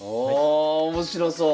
あ面白そう。